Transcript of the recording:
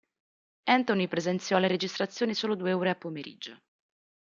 Anthony presenziò alle registrazioni solo due ore a pomeriggio.